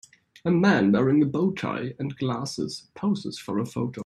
A man wearing a bowtie and glasses poses for a photo.